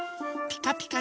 ピカピカ！